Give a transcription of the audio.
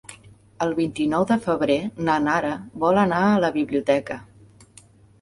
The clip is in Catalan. El vint-i-nou de febrer na Nara vol anar a la biblioteca.